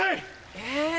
え！